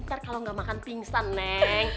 ntar kalau nggak makan pingsan neng